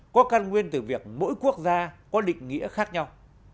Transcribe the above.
có căn nguyên từ việc mỗi quốc gia có định nghĩa khác nhau